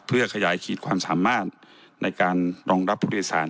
เพื่อขยายขีดความสามารถในการรองรับผู้โดยสาร